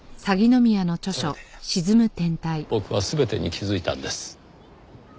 それで僕は全てに気づいたんです。